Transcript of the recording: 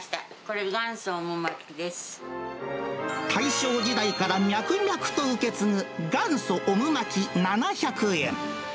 これ、大正時代から脈々と受け継ぐ、元祖オムマキ、７００円。